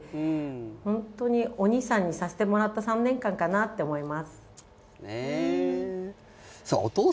本当にお兄さんにさせてもらった３年間だったかなと思います。